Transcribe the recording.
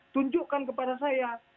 tunjukkan kepada saya